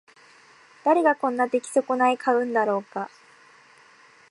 誰がこんな出来損ない買うんだろうか